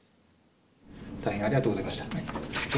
大変ありがとうございました。